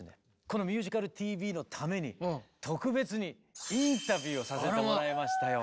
この「ミュージカルＴＶ」のために特別にインタビューをさせてもらいましたよ。